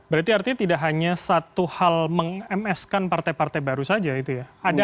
berarti artinya tidak hanya satu hal meng ms kan partai partai baru saja itu ya